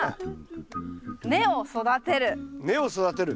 根を育てる。